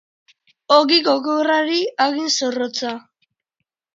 Ogi gogorrari hagin zorrotza.